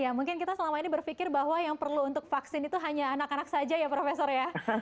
ya mungkin kita selama ini berpikir bahwa yang perlu untuk vaksin itu hanya anak anak saja ya profesor ya